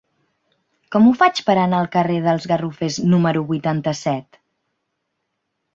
Com ho faig per anar al carrer dels Garrofers número vuitanta-set?